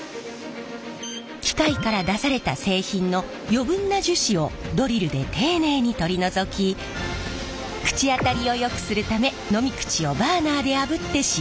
機械から出された製品の余分な樹脂をドリルで丁寧に取り除き口当たりをよくするため飲み口をバーナーであぶって仕上げます。